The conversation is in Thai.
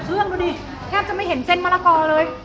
ดูสิแคบจะไม่เห็นเซ็นมะระกอเลย